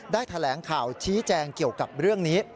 แถลงข่าวชี้แจงเกี่ยวกับเรื่องนี้